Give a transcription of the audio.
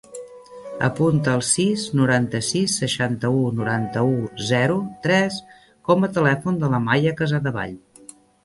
Apunta el sis, noranta-sis, seixanta-u, noranta-u, zero, tres com a telèfon de la Maya Casadevall.